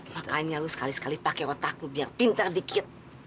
makanya lu sekali sekali pakai otak lo biar pinter dikit